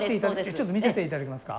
ちょっと見せて頂けますか？